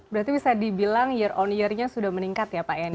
berarti bisa dibilang year on year nya sudah meningkat ya pak yani